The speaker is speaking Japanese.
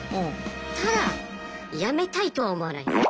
ただやめたいとは思わないんです。